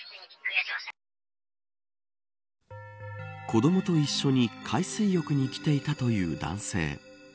子どもと一緒に海水浴に来ていたという男性。